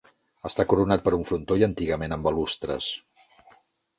Està coronat per un frontó i antigament amb balustres.